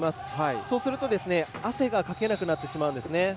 そうすると、汗がかけなくなってしまうんですね。